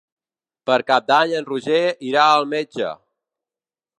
Per Cap d'Any en Roger irà al metge.